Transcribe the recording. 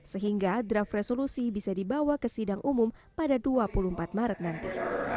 sehingga draft resolusi bisa dibawa ke sidang umum pada dua puluh empat maret nanti